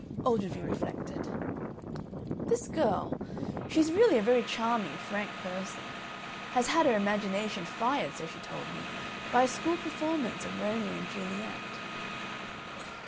Ogilvy reflected. "This girl she's really a very charming, frank person had had her imagination fired, so she told me, by a school performance of Romeo and Juliet."